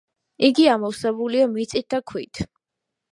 იგი ამოვსებულია მიწით და ქვით.